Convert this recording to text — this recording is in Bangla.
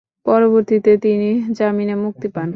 পরবর্তীতে তিনি জামিনে মুক্তি পান।